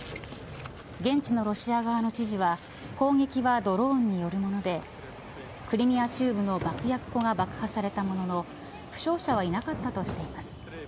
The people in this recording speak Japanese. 現地のロシア側の知事は攻撃はドローンによるものでクリミア中部の爆薬庫が爆破されたものの負傷者はいなかったとしています。